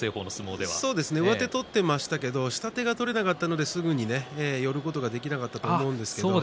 上手を取っていましたが下手を取れなかったのですぐ寄ることができなかったと思います。